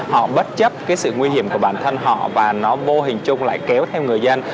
họ bất chấp cái sự nguy hiểm của bản thân họ và nó vô hình chung lại kéo theo người dân